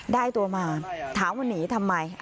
ได้ตัวมาถามว่าหนีทำไม